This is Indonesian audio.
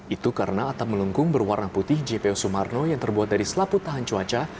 itu karena atap melengkung berwarna putih jpo sumarno yang terbuat dari selaput tahan cuaca